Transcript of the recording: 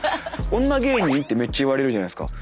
女芸人ってめっちゃ言われるじゃないですか。